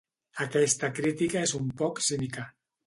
Aquesta crítica és un poc cínica.